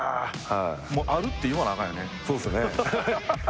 もう「ある」って言わなあかんよね。